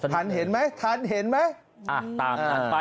ทันเห็นไหม